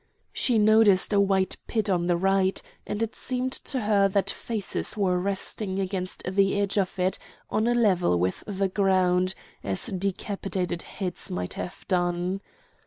She noticed a wide pit on the right, and it seemed to her that faces were resting against the edge of it on a level with the ground, as decapitated heads might have done.